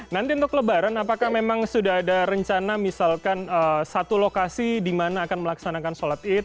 nanti untuk lebaran apakah memang sudah ada rencana misalkan satu lokasi di mana akan melaksanakan sholat id